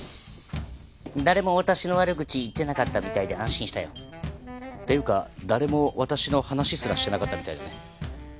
誰も私の悪口言ってなかったみたいで安心したよ。というか誰も私の話すらしてなかったみたいだね。